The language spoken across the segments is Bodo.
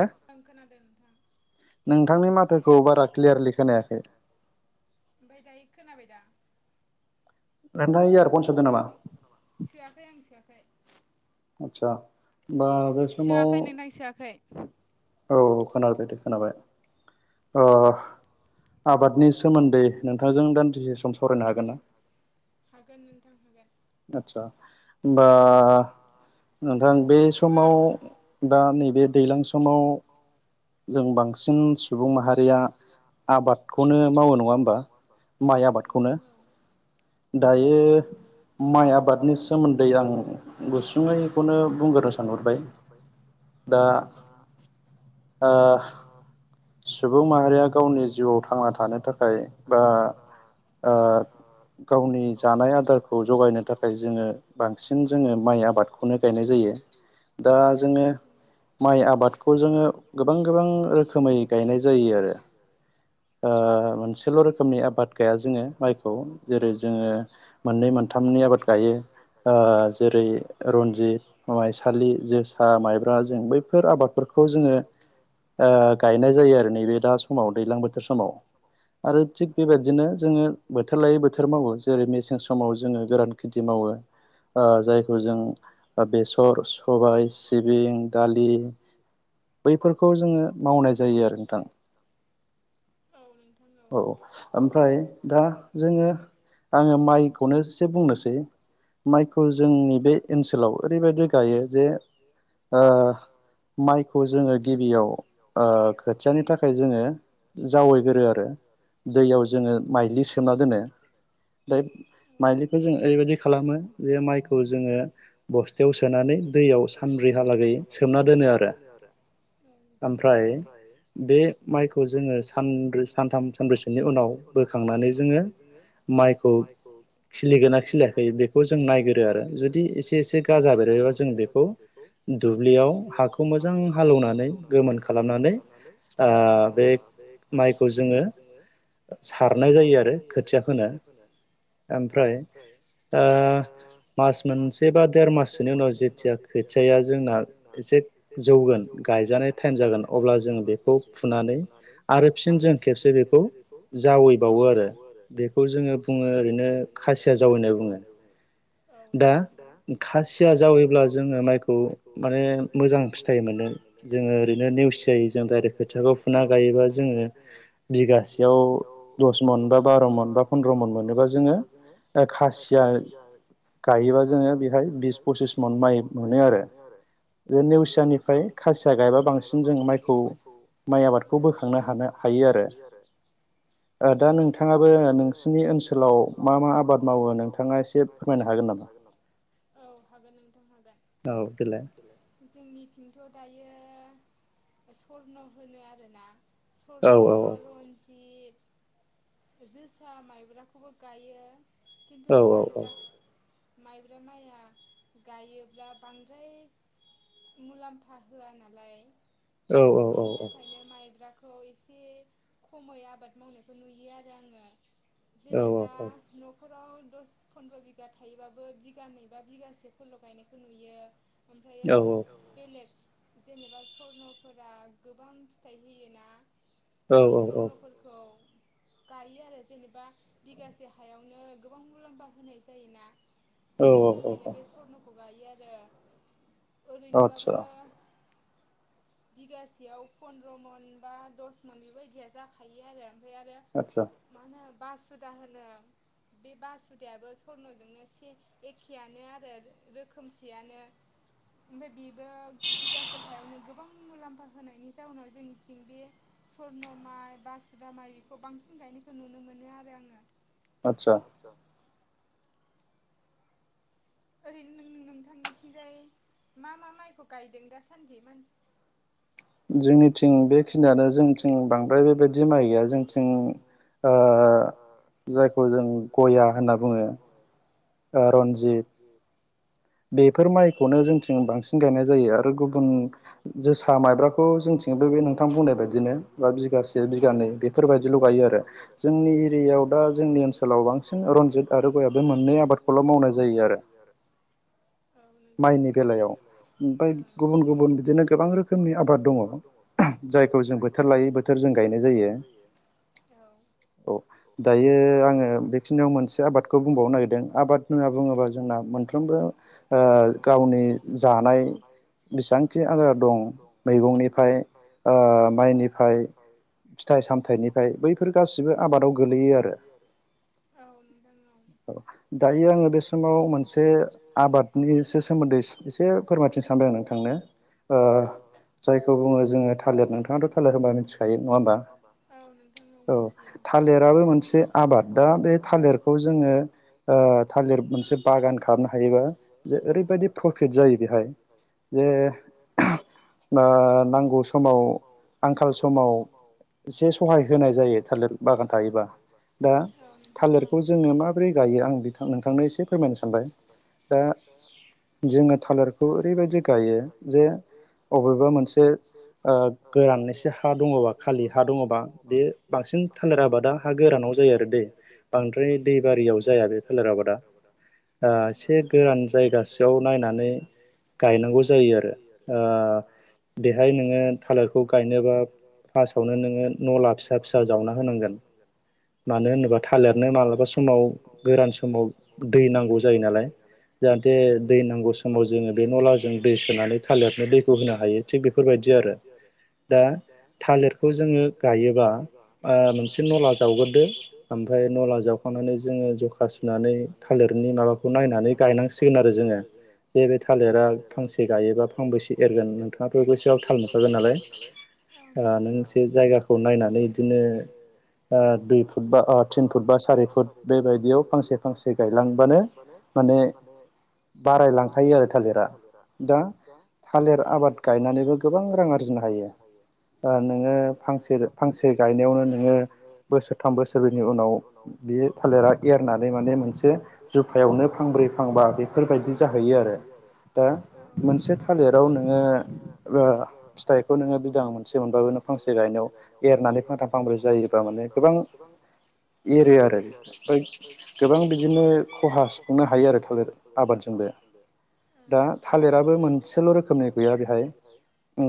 [inaudible] [inaudible] [inaudible] आतसा होमबा बे समाव औ खोनादों दे खोनाबाय ओ आबादनि सोमोन्दै नोंथांजों दान्दिसे सम सावरायनो हागोन ना? [inaudible] आतसा दा नोंथां बेसमाव दा नैबे दैज्लां समाव जों बांसिन सुबुं माहारिया आबादखौनो मावो नङा होमबा माइआ [inaudible] दायो माइ आबादनि सोमोन्दै आं गुसुङैखौनो बुंग्रोनो सानहरबाय [inaudible] ओ सुबुं माहारिया गावनि जिउआव थांना थानो थाखाय बा ओ गावनि जानाय आदार खौ जगायनो थाखाय जोङो बांसिन जोङो माइ आबादखौनो गायनाय जायो दा जोङो माइ आबादखौ जोङो गोबां गोबां रोखोमै गायनाय जायो आरो ओ मोनसेल' रोखोमनि आबाद गाया जोङो माइखौ जेरै जोङो मोननै मोन नि आबाद गायो ओ जेरै रन्जित माइसालि जोसा माइब्रा जों बैफोर आबाद फोरखौ जोङो ओ गायनाय जायो आरो नैबे दा समाव दैज्लां बोथोर समाव आरो थिग बेबायदिनो जोङो बोथोर लायै बोथोर मावो जेरै मेसें समाव जोङो गोरान खेथि मावो ओ जायखौ जों ओ बेसर, सबाय, सिबिं, दालि। बैफोरखौ जोङो मावनाय जायो आरो नोंथां औ ओमफ्राय दा जोङो आङो माइखौनो सि बुंनोसै माइखौ जोंनि बे ओनसोलाव ओरैबायदि गायो जे ओ माइखौ जोङो गिबियाव ओ खोथियानि थाखाय जोङो जावैगोरो आरो दैयाव जोङो माइलि सोमना दोनो। माइलिखौ जों ओरैबायदि खालामो जे माइखौ जोङो बस्थायाव सोनानै दैयाव स दैयाव सानब्रैहालागै सोमना दोनो आरो ओमफ्राय बे माइखौ जोङो सानब्रै सानथाम सानब्रैसोनि उनाव बोखांनानै जोङो माइ माइखौ खिलिगोना खिलिाखै बेखौ जों नायगोरो आरो जुदि एसे एसे गाजा बेरोबा जों बेखौ दु दुब्लियाव हाखौ मोजां हालौनानै गोमोन खालामनानै ओ बे माइखौ जोङो सारनाय जायो आरो खोथिया फोनो ओमफ्राय ओ मास मोनसे बा देर माससोनि उनाव जेथिया खोथियाया जोंना एसे जौगोन गायजानाय टाइम जागोन अब्ला जों बेखौ फुनानै आरो फिन जों खेबसे बेखौ जावैबावो आरो बेखौ जोङो बुङो ओरै खासिया जावैनाय बुङो। दा खासिया जावैब्ला जोङो माइखौ माने मोजां फिथाइ मोनो जोङो ओरैनो नेवसि जायो जों दायरेख खोथियाखौ फुना गायोबा जोङो बिगासेयाव दसमन बा बार'मन बार' मन बा फन्द्र' मन मोनोबा जोङो खासिया गायोबा जोङो बेहाय बिस फसिस मन माइ मोनो आरो जे नेवसियानिफ्राय खासिया गायबा बांसिन जों माइखौ माइ आबादखौ बोखांनो हानो हाय नो हायो आरो। ओ दा नोंथाङाबो नोंसिनि ओनसोलाव मा मा आबाद मावो नोंथाङा एसे फोरमायनो हागोन नामा औ हागोन नोंथां हागोन। जोंनिथिंथ' दायो यो स्परन होनो आरोना स्परन रन्जित जोसा माइब्राखौबो गायो खिन्थु माइब्रा माइब्रा माइया गायोब्ला बांद्राय मुलाम्फा होआ नालाय औ औ‌ औ बेनि थाखायनो माइब्राखौ एसे खमै आबाद मावनायखौ नुयो आरो जोंङो जेनेबा नखर फ्राव दस फन्द्र बिगा थायोबाबो बिगानै बा बिगासे फोरल गायनायखौ नुयो औ औ जेनेबा स्वर्नफोरा गोबां फिथाइ होयो ना बे स्वर्नफोरखौ गायो आरो जेनेबा बिगासे हायावनो गोबां मुलाम्फा होनाय जायोना बिनि थाखायनो बे स्वर्नखौ गायो आरो ओरैनोबाबो बिगासेयाव पन्द्र मन बा दस मन बेबायदिया जाखायो आरो आतसा बासुदा होनो बे बासुदायाबो स्वर्नजोंनो एसे एखेयानो आरो रोखोमसेयानो ओमफ्राय बेबो बिगासे हायावनो गोबां मुलाम्फा होनायनि जाउनाव जोंनिथिं बे सर्न माइ बासुदा माइ बेखौ बांसिन गायनायखौ नुनो मोनो आरो आङो आदसा ओरैनो नों नोंथांनिथिंजाय मा मा माइखौ गायदों दा सानदि मान जोंनिथिं बेखिनियानो जोंनिथिं बांद्राय बेबायदि माइ गैया जोंथिं ओ जायखौ जों गया होनना बुङो रनजित बेफोर माइखौनो जोंथिं बांसिन गायनाय जायो आरो गुबुन जोसा माइब्राखौ जोंथिं ओं बे नोंथां बुंनाय बायदिनो जा बिगासे बिगानै बेफोरबायदिल गायो आरो जोंनि एरियायाव दा जोंनि ओनसोलाव बांसिन रनजित आरो गय बे मोननै आबादखौल मावनाय जायो आरो माइनि बेलायाव ओमफ्राय गुबुन गुबुन बिदिनो गोबां रोखोमनि आबाद दङ'। जायखौ जों बोथोर लायै बोथोर जों गायनाय जायो। औ दायो आङो बेखिनियाव मोनसे आबादखौ बुंबावनो नागिरदों आबाद होनना बुङोबा जोंना मोनफ्रोमबो आ गावनि जानाय बेसेबांखि आदार दं मैगंनि ओमफाय ओ माइनिफ्राय फिथाइ सामथायाइनिफ्राय बैफोर गासिबो आबादाव गोलैयो आरो औ दायो आङो बे समाव मोनसे आबाद निसो सोमोन्दै एसे फोरमायनोसो सानदों नोंथांनो ओ जायखौ बुङो जोङो थालिर नोंथांङाथ' खोनादों बा मोनथिखायो नङा होमबा औ थालि राबो मोनसे आबाद दा बे थालिरखौ जोंङो ओ थालिर मोनसे बागान खाम नो हायोबा‌ जे ओरैबायदि प्रफिट जायो बेहाय जे आ नांगौ समाव आंखाल समाव एसे सहाय होनाय जायो थालिर बागान थायोबा दा थालिरखौ जोङो माबोरै गायो आं बिथां नोंथांनो एसे फोरमायनो सानबाय दा जोङो थालिरखौ ओरैबायदि गायो जे अबेबा मोनसे ओ गोरान एसे हा दङबा खालि हा दङबा बे बांसिन थालिर आबादा हा गोरानाव जायो आरो दै बांद्राय दैबारियाव जाया बे थालिर आबादा ओ एसे गोरान जायगासोआव नायनानै गायनांगौ जायो आरो ओ आ बेहाय नोङो थालिरखौ गायनोबा फार्स्टआवनो नोङो नला फिसा फिसा जावना होनांगोन मानो होनोबा थालिरनो मालाबा समाव गोरान समाव दै नांगौ जायो नालाय जाहाथे दै नांगौ समाव जोङो बे नलाजों दै सोनानै थालिरखो [inaudible] दा थालिरखौ जोङो गायोबा ओ मोनसे नला जावगोरदो ओमफाय नला जावखांनानै जोङो जखा सुनानै थालिरनि माबाखौ नायनानै गायनांसिगोन आरो जोङो जे बे थालिरा फांसे गायोबा फांबोसे [inaudible] [inaudible] ओ दुइ फुट बा ओ थिन फुट बा सारि फुट बेबायदियाव फांसे फांसे गायलांबानो माने बारायलांखायो आरो थालिरा दा थालिर आबाद गायनानैबो गोबां रां आरजिनो हायो। नोङो फांसे फांसे गायनायावनो नोङो बोसोरथाम बोसोरनि उनाव बे थालिरा एनानै मोनसे जुफायावनो फांब्रै फांबा बेफोरबायदि जाहैयो आरो दा मोनसे थालिराव नोङो ओ फिथाइखौ नोङो बिदां मोनसे मोनबाबो फांसे गायनायाव एरना फांनै फांथाम फांब्रै जायोबा माने गोबां एरो आरो ओफ्राय गोबां बिदिनो खहा [unintelligible] हायो आरो थालिर आबादजोंबो, दा थालिराबो मोन एसेल' रोखोमनि गैया, बेहाय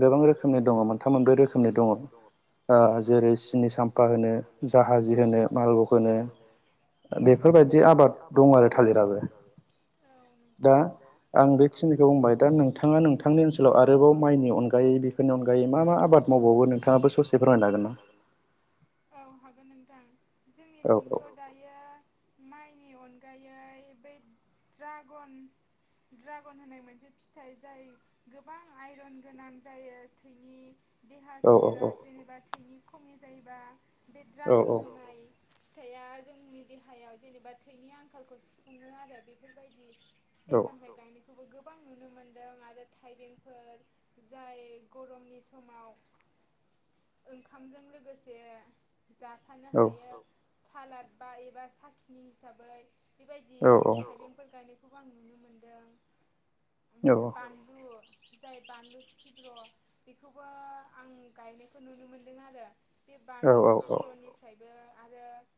गोबां रोखोमनि दङ। मोनथाम मोनब्रै रोखोमनि दङ। जेरै सिनि साम्फा होनो, जाहाजि होनो मालफ्क होनो। बेफोरबायदि आबाद दं आरो। थालिराबो, दा आं बेखिनिखौ बुंबाय दा [unintelligible] नोंथाङा, नोंथांनि ओनसोल आरोबाव माइनि अनगायै बेफोरनि अनगायै मा -मा आबाद मावबावो नोंथाङाबो ससे फोरमायना [unintelligible] औ हागोन नोंथां। जोंनिथिंथ' दायो माइनि अनगायै, बेै ड्रागन ड्रागन होननाय मोनसे फिथाइ जाय गोबां आइरन गोनां जायो। थैनि देहा सोलेरा जेनेबा थैनि खमि जायोबा बे ड्रागन होननाय फिथाइआ जोंनि देहायाव जेनेबा थैनि आंखालखौ सुफुङो आरो बेफोरबायदि फिथाइ -सामथाइ गायनायखौबो गोबां नुनो मोनो। आरो थाइबेंफोर जाय गरमनि समाव ओंखामजों लोगोसे जाफानो हायो। सालाद बा एबा साखिनि हिसाबै बेबायदि थाइबेफोर गायनायखौबो आं नुनो मोनदों। ओमफ्राय बानलु। जाय बानलु सिब्र'। बेखौबो आं गायनायखौ नुनो मोनदों आरो। बे बानलु सिब्र'निफ्राय [unintelligible]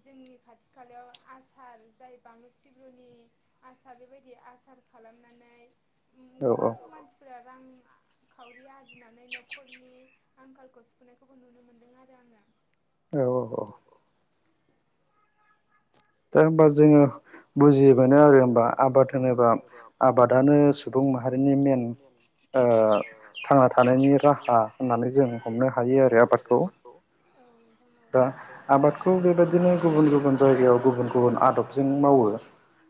जोंनि खाथि -खालायाव आसार जाय बानलु सिब्रुनि आसार बेबायदि। आसार खालामनानै गोबां मानसिफोरा रां खावरि आरजिनानै न'खरनि आंखालखौ सुफुनायखौबो नुनो मोन्दों आरो आङो। औ औ। दा होनबा जोङो बुजिबाय आरो होमबा आबाद होनोबा आबादानो सुबुं माहारिनि मेन। ओ थांना थानायनि राहा होननानै जों हमनो हायो आरो आबादखौ दा आबादखौ बेबायदिनो गुबुन- गुबुन जायगायाव गुबुन- गुबुन आदबजों मावो।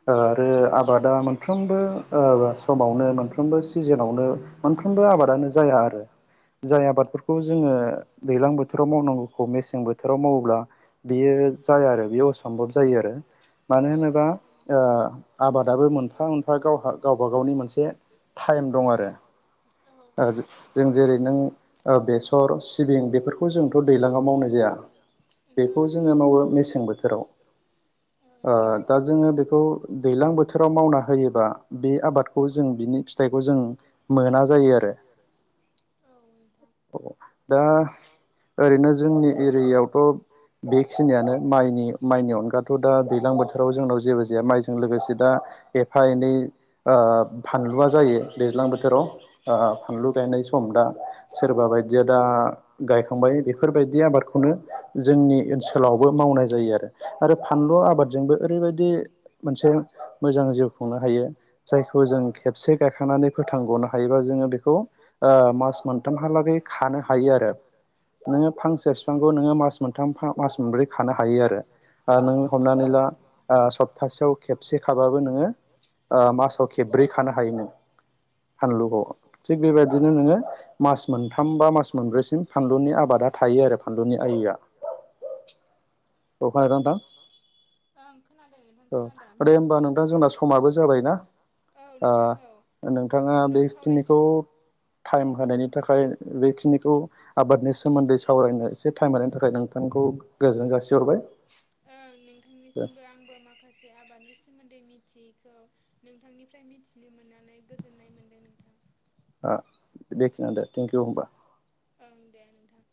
[unintelligible] आरो आबादा मोनफ्रोमबो ओ समावनो मोनफ्रोमबो सिजेनावनो मोनफ्रोमबो आबादानो जाया आरो। जाय आबादफोरखौ जोङो दैलां बोथोराव मावनांगौखौ मेसें बोथोराव मावोब्ला बियो जाया आरो बेयो असम्भब जायो आरो। मानो होनोबा ओ आबादाबो मोनफा -मोनफा गावबा -गावबा- गावनि मोनसे टाइम दं आरो। जों जेरै नों बेसर, सिबिं बेफोरखौ जोंथ' दैलाङाव मावनाय जाया। बेखौ जोङो मावो मेसें बोथोराव। ओ दा जों बेखौ दैलां बोथोराव मावना होयोबा। बे आबादखौ जों बिनि फिथाइखौ जों मोना जायो आरो। दा ओरैनो जोंनि एरियायावथ' बेखिनियानो माइनि- माइनि अनगा दा दैलां बोथाव जों नाव जेबो जाया माइजों लोगोसे दा एफा- एनै ओ फानलु आ जायो दैज्लां बोथोराव। बोथोराव ओ फानलु गायनाय सम दा सोरबा बायदिया दा गायखांबाय। बेफोरबायदि आबादखौनो जोंनि ओनसोलावबो मावनाय जायो। आरो फानलु आबादजोंबो ओरैबायदि मोनसे मोजां जिउ खुंनो हायो। जायखौ जों खेबसे गायखांनानै [unintelligible] [unintelligible] हायोबा जोङो बेखौ मोनथामहालागै खानो हायो आरो। नोङो फांसे बिफांखौ नोङो मास मोनथाम, मास मोनब्रै खानो हायो आरो। नों हमनानै ला सप्तासेयाव खेबसे खाबाबो नोङो मासाव खेबब्रै खानो हायो नों। फानलुखौ थिग बेबायदिनो नोङो मास मोनथाम बा मास मोनब्रैसिम फानलुनि आबादा थां थायो आरो फानलुनि आइआ अ नोंथां [inaudible] औ दे होमबा नोंथां जोंना समाबो जाबायना नोंथाङा बे खिनिखौ टाइम होनायनि थाखाय बेखिनिखौ आबादनि सोमोन्दै सावरायनो एसे टाइम होनायनि थाखाय नोंथां गोजोन्नाय जासिहरबाय ओं नोंथांनिसिमबो आंबो माखासे आबादनि सोमोन्दै मि थियैखौ नोंथांनिफ्राय मिथिनो मोननानै गोजोननाय मोन्दों नोंथां दे थेंक इउ होमबा दे नोंथां